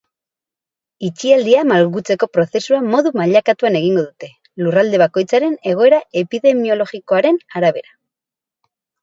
Itxialdia malgutzeko prozesua modu mailakatuan egingo dute, lurralde bakoitzaren egoera epidemiologikoaren arabera.